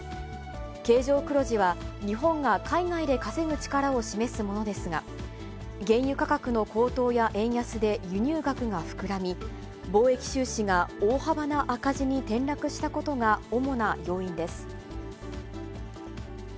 経常黒字は、日本が海外で稼ぐ力を示すものですが、原油価格の高騰や円安で輸入額が膨らみ、貿易収支が大幅な赤字に転落したことが主な要因です。